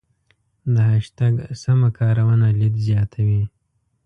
د هشتګ سمه کارونه لید زیاتوي.